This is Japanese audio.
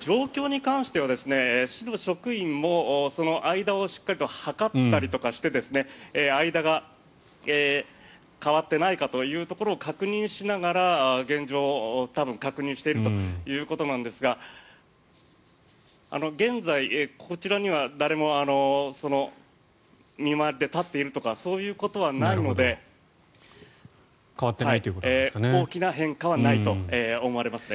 状況に関しては市の職員もその間をしっかり測ったりして間が変わっていないかというところを確認しながら現状、多分、確認しているということなんですが現在、こちらには誰も、見回りで立っているとかそういうことはないので大きな変化はないと思われますね。